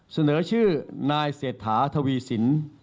เสนอชื่อนายเศรษฐาทวีสิน